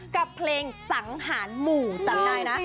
กับเพลงสังหานหมู่จากในนะ